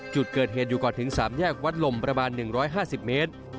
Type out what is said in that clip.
จุดเกิดเหตุอยู่ก่อนถึง๓แยกวัดลมประมาณ๑๕๐เมตร